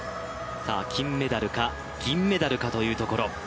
金メダルか、銀メダルかというところ。